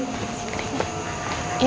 yuk yuk yuk